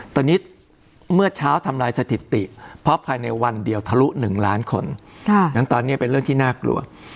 ตอนนี้เมื่อเช้าทำลายสถิติเพราะภายในวันเดียวทะลุ๑ล้านคนนั้นตอนนี้เป็นเรื่องที่น่ากลัว